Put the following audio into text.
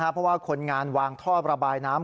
เพราะว่าคนงานวางท่อระบายน้ำ